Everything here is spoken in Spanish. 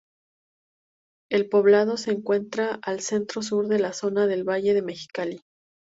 El poblado se encuentra al centro-sur de la zona del valle de Mexicali.